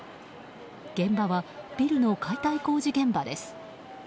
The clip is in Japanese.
現場はビルの解体工事現場です。